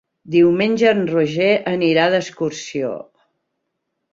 Diumenge en Roger anirà d'excursió.